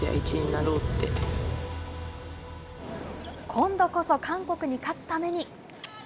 今度こそ韓国に勝つために。